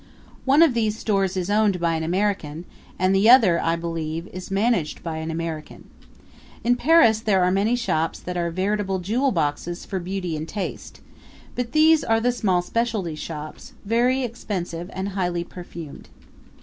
One of these stores is owned by an American, and the other, I believe, is managed by an American. In Paris there are many shops that are veritable jewel boxes for beauty and taste; but these are the small specialty shops, very expensive and highly perfumed.